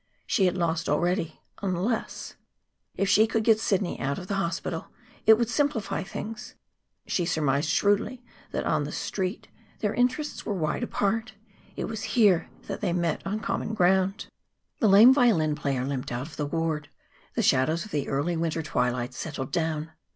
She had lost already, unless If she could get Sidney out of the hospital, it would simplify things. She surmised shrewdly that on the Street their interests were wide apart. It was here that they met on common ground. The lame violin player limped out of the ward; the shadows of the early winter twilight settled down.